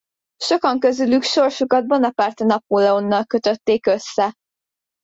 Sokan közülük sorsukat Bonaparte Napóleonnal kötötték össze.